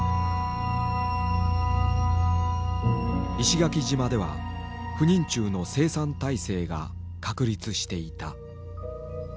石垣島では不妊虫の生産体制が確立していた。